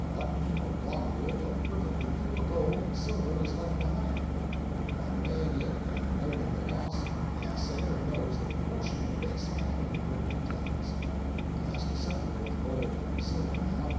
A button or globule of perfectly pure gold and silver is left behind, and by weighing it and noting the loss, the assayer knows the proportion of base metal the brick contains. He has to separate the gold from the silver now.